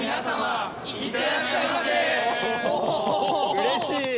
うれしい！